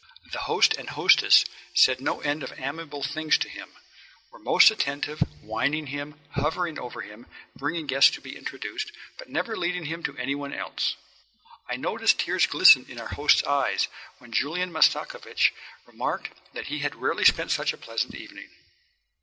The host and hostess said no end of amiable things to him, were most attentive, wining him, hovering over him, bringing guests up to be introduced, but never leading him to any one else. I noticed tears glisten in our host's eyes when Julian Mastakovich remarked that he had rarely spent such a pleasant evening.